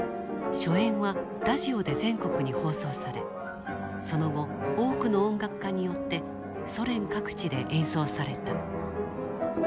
初演はラジオで全国に放送されその後多くの音楽家によってソ連各地で演奏された。